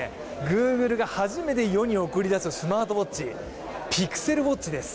グーグルが初めて世に送りだすスマートウォッチ、ピクセルウォッチです。